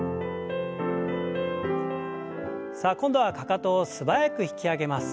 さあ今度はかかとを素早く引き上げます。